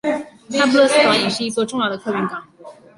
那不勒斯港也是一座重要的客运港。